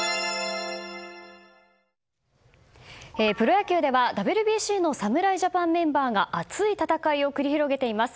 プロ野球ではＷＢＣの侍ジャパンメンバーが熱い戦いを繰り広げています。